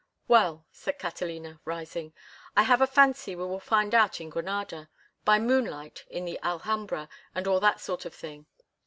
"Well," said Catalina, rising, "I have a fancy we will find out in Granada—by moonlight in the Alhambra and all that sort of thing.